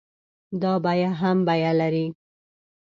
دا بيه هم بيه لري.